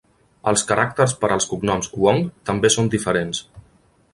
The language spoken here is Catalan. Els caràcters per als cognoms "Wong" també són diferents.